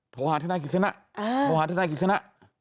โทรหาธนาคิศนะโทรหาธนาคิศนะ